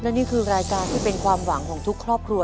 และนี่คือรายการที่เป็นความหวังของทุกครอบครัว